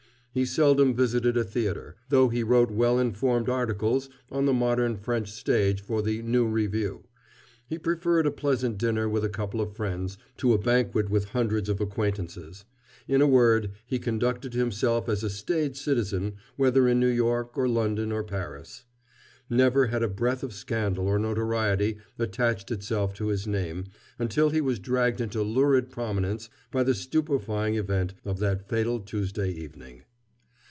He seldom visited a theater, though he wrote well informed articles on the modern French stage for the New Review; he preferred a pleasant dinner with a couple of friends to a banquet with hundreds of acquaintances; in a word, he conducted himself as a staid citizen whether in New York, or London, or Paris. Never had a breath of scandal or notoriety attached itself to his name until he was dragged into lurid prominence by the stupefying event of that fatal Tuesday evening.